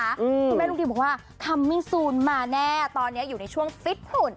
คุณแม่ลูกดีบอกว่าคัมมิซูนมาแน่ตอนนี้อยู่ในช่วงฟิตหุ่น